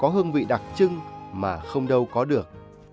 có hương vị đặc trưng mà không đâu có được